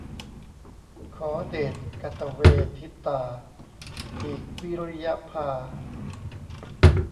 ขอเดชกตเวทิตา อีกวิริยะพา